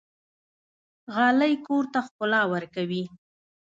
غالۍ کور ته ښکلا ورکوي.